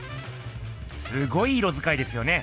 すごい色づかいですよね。